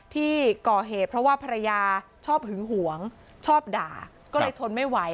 ที่ก่อเหตุเพราะว่าภรรยาชอบหึงหวงชอบด่าก็เลยทนไม่ไหว